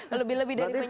lebih lebih dari penyidik